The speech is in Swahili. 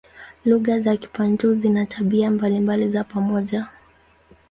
Lugha za Kibantu zina tabia mbalimbali za pamoja.